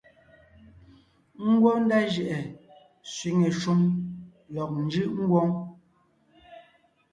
Ngwɔ́ ndá jʉʼɛ sẅiŋe shúm lɔg njʉʼ ngwóŋ;